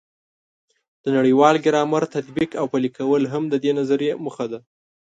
د نړیوال ګرامر تطبیق او پلي کول هم د دې نظریې موخه ده.